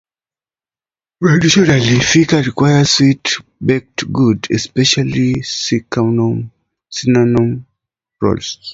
Traditionally, "fika" requires sweet, baked goods, especially cinnamon rolls.